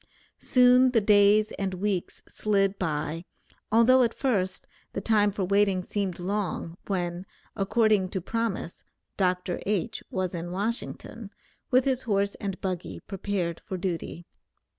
Soon the days and weeks slid by, although at first the time for waiting seemed long, when, according to promise, Dr. H. was in Washington, with his horse and buggy prepared for duty.